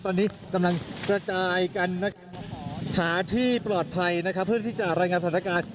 ตอนนี้กำลังกระจายกันหาที่ปลอดภัยนะครับเพื่อที่จะรายงานสถานการณ์